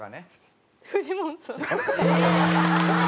フジモンさん。